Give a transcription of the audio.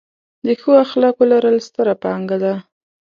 د ښو اخلاقو لرل، ستره پانګه ده.